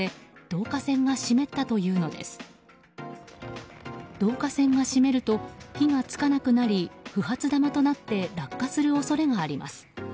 導火線が湿ると火が付かなくなり不発玉となって落下する恐れがあります。